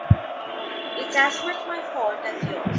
It's as much my fault as yours.